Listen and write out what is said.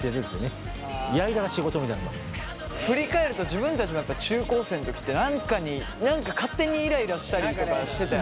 振り返ると自分たちもやっぱ中高生の時って何か勝手にイライラしたりとかしてたよね。